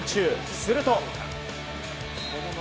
すると。